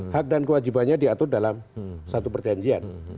hak dan kewajibannya diatur dalam satu perjanjian